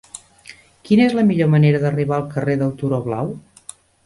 Quina és la millor manera d'arribar al carrer del Turó Blau?